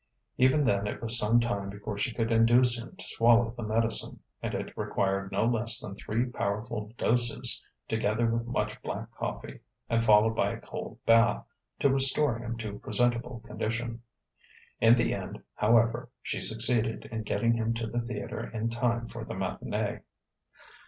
Even then it was some time before she could induce him to swallow the medicine, and it required no less than three powerful doses, together with much black coffee and followed by a cold bath, to restore him to presentable condition. In the end, however, she succeeded in getting him to the theatre in time for the matinée.